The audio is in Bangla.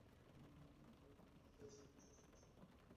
এখানে রোমান ও বাইজেন্টাইন শাসনের শেষের দিকের অনেক নিদর্শন পাওয়া গেছে।